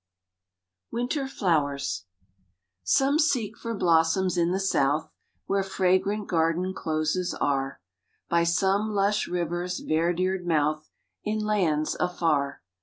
WINTER FLOWERS SOME seek for blossoms in the south, Where fragrant garden closes are, By some lush river s verdured mouth In lands afar.